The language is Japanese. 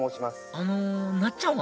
あのなっちゃんは？